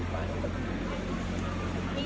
ขอบอกว่าแม้เพื่อนไทยแสดงสายแต่ก็ไม่สามารถ